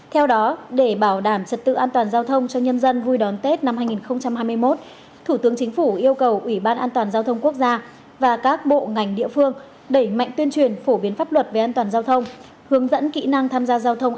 theo đó để bảo đảm trật tự an toàn giao thông cho nhân dân vui đón tết năm hai nghìn hai mươi một thủ tướng chính phủ yêu cầu ủy ban an toàn giao thông quốc gia và các bộ ngành địa phương đẩy mạnh tuyên truyền phổ biến pháp luật về an toàn giao thông